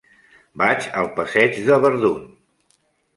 Vaig al passeig de Verdun.